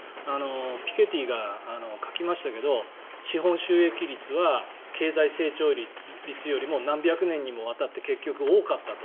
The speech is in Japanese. ピケティが書きましたけど資本収益率は経済成長率よりも何百年にもわたって結局、多かったと。